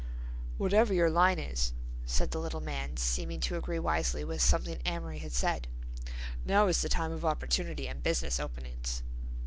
"Whatever your line is," said the little man, seeming to agree wisely with something Amory had said, "now is the time of opportunity and business openings."